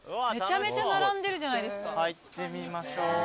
入ってみましょう。